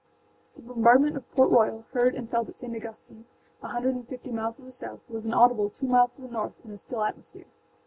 The bombardment of Port Royal, heard and felt at St. Augustine, a hundred and fifty miles to the south, was inaudible two miles to the north in a still atmosphere.